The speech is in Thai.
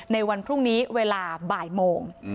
ในวันพรุ่งนี้เวลาบ่ายโมง